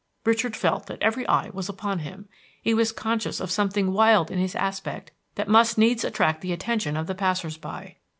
Richard felt that every eye was upon him; he was conscious of something wild in his aspect that must needs attract the attention of the passers by.